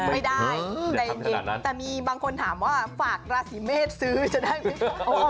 ไม่ได้ใจเย็นแต่มีบางคนถามว่าฝากราศีเมษซื้อจะได้ไหม